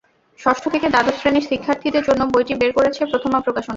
ষষ্ঠ থেকে দ্বাদশ শ্রেণির শিক্ষার্থীদের জন্য বইটি বের করেছে প্রথমা প্রকাশন।